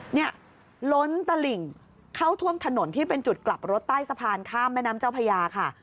เนี่ยล้นตลิ่งเข้าท่วมถนนที่เป็นจุดกลับรถใต้สะพานข้ามแม่น้ำเจ้าพญาค่ะ